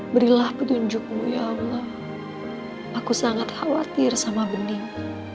berilah petunjukmu ya allah aku sangat khawatir sama bening